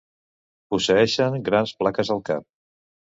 Posseeixen grans plaques al cap.